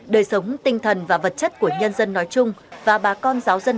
đời sống tinh thần và vật chất của nhân dân nói chung và bà con giáo dân